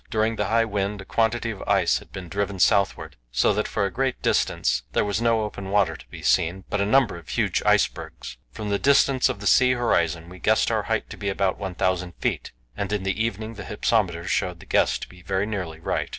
During the high wind a quantity of ice had been driven southward, so that for a great distance there was no open water to be seen, but a number of huge icebergs. From the distance of the sea horizon we guessed our height to be about 1,000 feet, and in the evening the hypsometer showed the guess to be very nearly right.